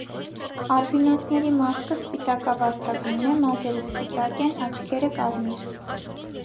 Ալբինոսների մաշկը սպիտակավարդագույն է, մազերն սպիտակ են, աչքերը կարմիր։